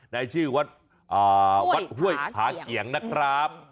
ในชื่อวัดวัดห้วยผาเกียงนะครับ